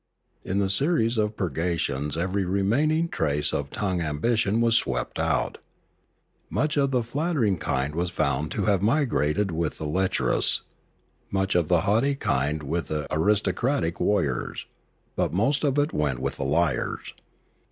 In the series of purgations every remaining trace of tongue ambition was swept out. Much of the flatter ing kind was found to have migrated with the lecher ous; much of the haughty kind with the aristocratic warriors; but most of it went with the liars.